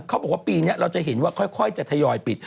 เขาบอกว่าปีนี้เราจะเห็นว่าค่อยจะทยอยปิด